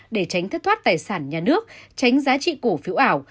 để tránh thất thoát tài sản nhà nước tránh giá trị cổ phiếu ảo